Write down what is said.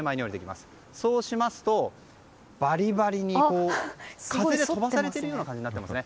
そうしますと、ばりばりに風で飛ばされるような感じになっていますね。